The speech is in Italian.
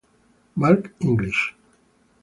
Mark English